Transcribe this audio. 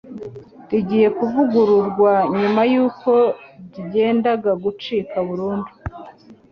rigiye kuvugururwa nyuma y'uko ryendaga gucika burundu